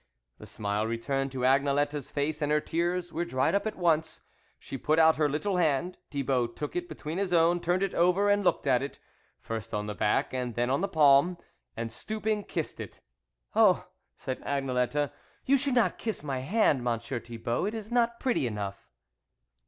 The smile returned to Angelette's face and her tears were dried up at once. She put out her little hand ; Thibault took it between his own, turned it over and looked at it, first on the back and then on the palm, and stooping, kissed it. " Oh !" said Angelette " you should not kiss my hand, Monsieur Thibault, it is not pretty enough."